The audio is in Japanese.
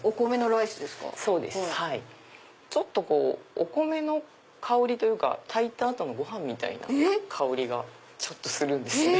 お米の香りというか炊いた後のご飯みたいな香りがちょっとするんですね。